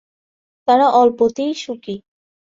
তারা অল্পতেই সুখী।